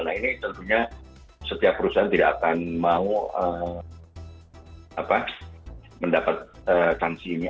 nah ini tentunya setiap perusahaan tidak akan mau mendapat sanksinya